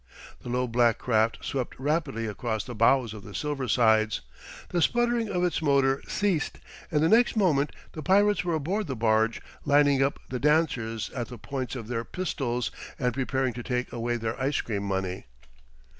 The low black craft swept rapidly across the bows of the Silver Sides; the sputtering of its motor ceased; and the next moment the pirates were aboard the barge, lining up the dancers at the points of their pistols, and preparing to take away their ice cream money.